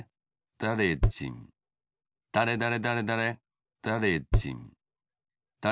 だれだれだれだれ